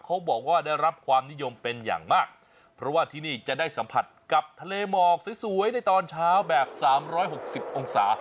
เขาบอกว่าได้รับความนิยมเป็นอย่างมากเพราะว่าที่นี่จะได้สัมผัสกับทะเลหมอกสวยสวยในตอนเช้าแบบสามร้อยหกสิบองศา